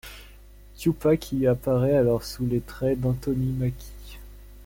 Tupac y apparait alors sous les traits d'Anthony Mackie.